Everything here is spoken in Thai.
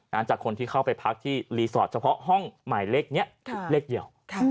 มาจากคนที่เพิ่มเติมเทิมพักกับคนที่เค้าไปพักที่รีสอร์ทเฉพาะห้องอักฤษไม่นี้